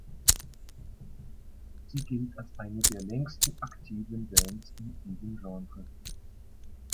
Sie gilt als eine der längsten aktiven Bands in diesem Genre.